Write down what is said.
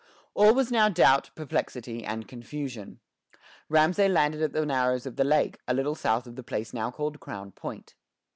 All was now doubt, perplexity, and confusion. Ramesay landed at the narrows of the lake, a little south of the place now called Crown Point.